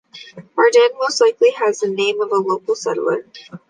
Bardane most likely has the name of a local settler.